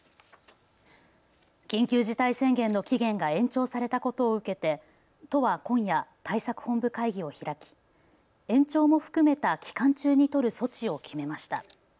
緊急事態宣言の期限が延長されたことを受けて都は今夜、対策本部会議を開き延長も含めた期間中に取る措置を決めました。